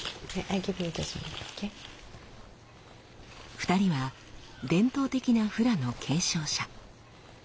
２人は伝統的なフラの継承者。